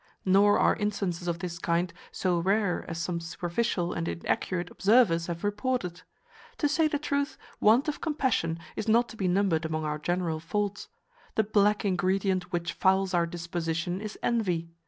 Nor are instances of this kind so rare as some superficial and inaccurate observers have reported. To say the truth, want of compassion is not to be numbered among our general faults. The black ingredient which fouls our disposition is envy.